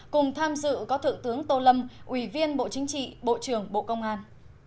cùng tham dự có thượng tướng tô lâm ủy viên bộ chính trị bộ trưởng bộ công an